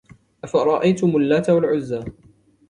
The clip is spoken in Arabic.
أَفَرَأَيْتُمُ اللاَّتَ وَالْعُزَّى